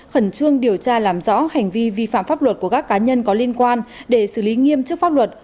khẩn trương điều tra làm rõ hành vi vi phạm pháp luật của các cá nhân có liên quan để xử lý nghiêm chức pháp luật